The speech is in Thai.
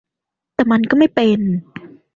แต่มันก็ไม่เป็น